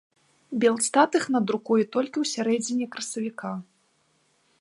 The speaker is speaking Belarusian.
Белстат іх надрукуе толькі ў сярэдзіне красавіка.